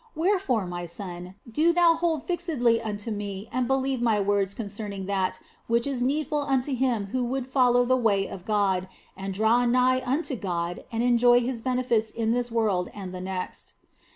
Wherefore, my son, do thou hold fixedly unto me and believe my words concerning that which is needful unto him who would follow the way of God, and draw nigh unto God and enjoy His benefits in this world and the next.